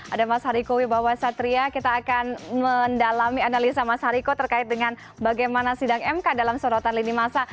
ada mas hariko wibawa satria kita akan mendalami analisa mas hariko terkait dengan bagaimana sidang mk dalam sorotan lini masa